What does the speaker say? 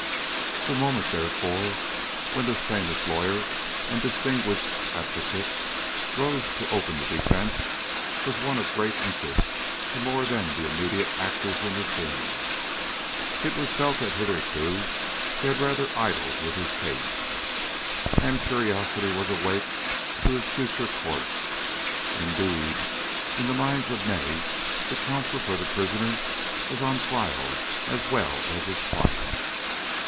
The moment, therefore, when this famous lawyer and distinguished advocate rose to open the defence, was one of great interest to more than the immediate actors in the scene. It was felt that hitherto he had rather idled with his case, and curiosity was awake to his future course. Indeed, in the minds of many the counsel for the prisoner was on trial as well as his client.